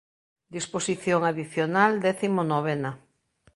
Disposición adicional décimo novena.